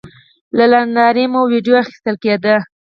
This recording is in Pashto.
له نندارې مو وېډیو اخیستل کېدې.